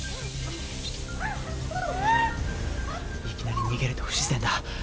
いきなり逃げると不自然だ。